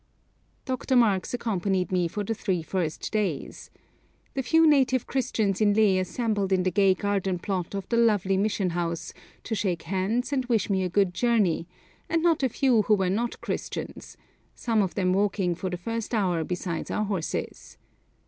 Dr. Marx accompanied me for the three first days. The few native Christians in Leh assembled in the gay garden plot of the lowly mission house to shake hands and wish me a good journey, and not a few who were not Christians, some of them walking for the first hour beside our horses.